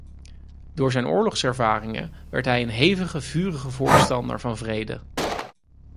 Door zijn oorlogservaringen werd hij een hevige vurige voorstander van vrede.